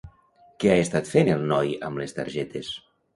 Què ha estat fent el noi amb les targetes?